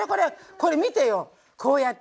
これ見てよこうやって。